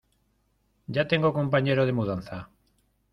Ya tengo compañero de mudanza.